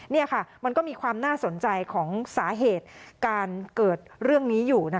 นี่ค่ะมันก็มีความน่าสนใจของสาเหตุการเกิดเรื่องนี้อยู่